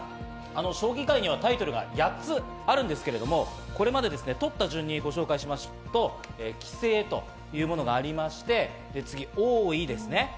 将棋界にはタイトルが８つあるんですけれども、これまで取った順にご紹介しますと、棋聖というものがありまして、次、王位です。